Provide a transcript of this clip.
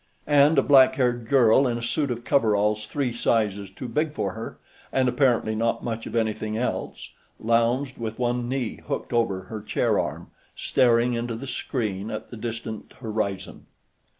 And a black haired girl in a suit of coveralls three sizes too big for her, and, apparently, not much of anything else, lounged with one knee hooked over her chair arm, staring into the screen at the distant horizon.